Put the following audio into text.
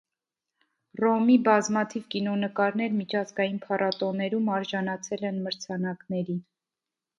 Ռոմի բազմաթիվ կինոնկարներ միջազգային փառատոներում արժանացել են մրցանակների։